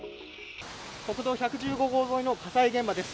国道１１５号沿いの火災現場です。